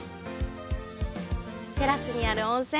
テラスにある温泉